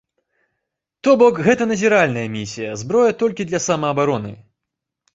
То бок гэта назіральная місія, зброя толькі для самаабароны.